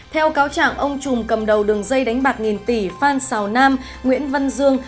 theo cáo trạng ông trùm cầm đầu đường dây đánh bạc nghìn tỷ phan xào nam nguyễn văn dương